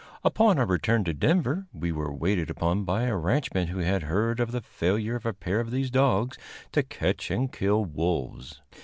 Upon our return to Denver we were waited upon by a ranchman who had heard of the failure of a pair of these dogs to catch and kill wolves.